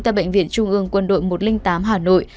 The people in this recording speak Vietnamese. tại bệnh viện trung ương quân đội một trăm linh tám hà nội